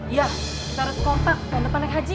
iya kita harus kompak dan depan naik haji